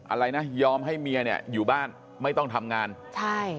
อะไรนะยอมให้เมียเนี่ยอยู่บ้านไม่ต้องทำงานใช่